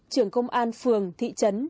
trưởng công an phường thị trấn